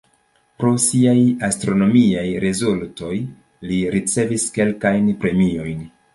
Pro siaj astronomiaj rezultoj li ricevis kelkajn premiojn.